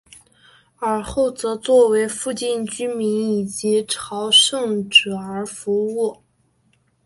尔后则作为附近居民以及朝圣者而服务。